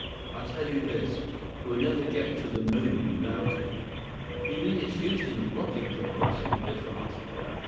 "I'll tell you this, we'll never get to the moon without it." "You mean it's used in rocket propulsion?" Biff asked.